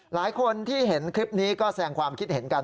หลายคนที่เห็นคลิปนี้ก็แสดงความคิดเห็นกัน